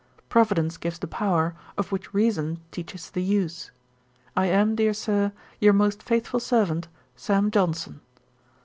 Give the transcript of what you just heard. Providence gives the power, of which reason teaches the use. 'I am, dear Sir, 'Your most faithful servant, 'SAM. JOHNSON.'